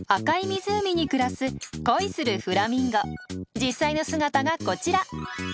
実際の姿がこちら。